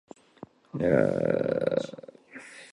It was a key release in the development of Viking metal.